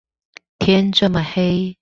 天這麼黑